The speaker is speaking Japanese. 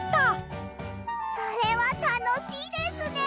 それはたのしいですね！